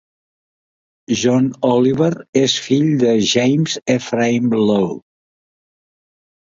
John Oliver és fill de James Ephraim Law.